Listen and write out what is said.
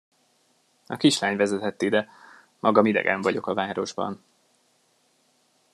A kislány vezetett ide, magam idegen vagyok a városban.